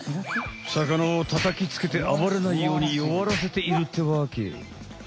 魚を叩きつけてあばれないように弱らせているってわけ。